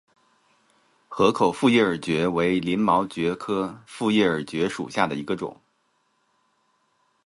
河口复叶耳蕨为鳞毛蕨科复叶耳蕨属下的一个种。